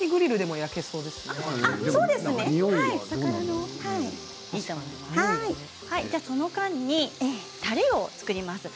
焼いてる間にたれを作ります。